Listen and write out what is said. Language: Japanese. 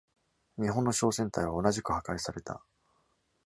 日本の商船隊は同じく破壊された。